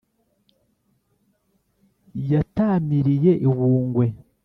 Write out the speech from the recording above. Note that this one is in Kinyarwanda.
yatamiriye i bungwe.